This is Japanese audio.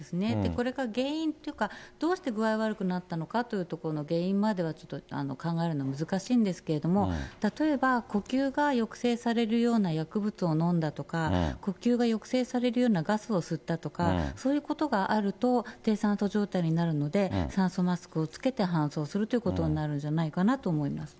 これが原因というか、どうして具合悪くなったのかというところの原因まではちょっと考えるのは難しいんですけど、例えば呼吸が抑制されるような薬物を飲んだとか、呼吸が抑制されるようなガスを吸ったとか、そういうことがあると、低酸素状態になるので、酸素マスクを着けて搬送するということになるんじゃないかなと思いますね。